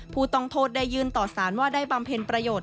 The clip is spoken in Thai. ผู้ต้องโทษได้ยื่นต่อสารว่าได้บำเพ็ญประโยชน์